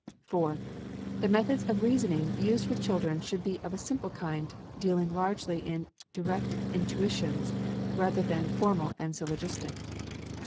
4. The methods of reasoning used with children should be of a simple kind, dealing largely in direct intuitions, rather than formal and syllogistic.